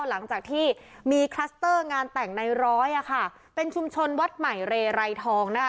หลังจากที่มีคลัสเตอร์งานแต่งในร้อยอ่ะค่ะเป็นชุมชนวัดใหม่เรไรทองนะคะ